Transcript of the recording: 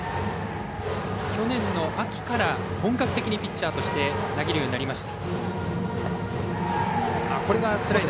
去年の秋から本格的にピッチャーとして投げるようになりました。